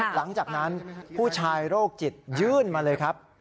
หลังจากนั้นผู้ชายโรคจิตยื่นมาเลยครับ